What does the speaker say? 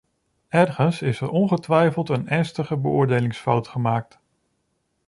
Ergens is er ongetwijfeld een ernstige beoordelingsfout gemaakt.